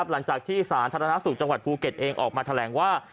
สาธารณสุขจังหวัดภูเก็ตเองออกมาแถลงว่า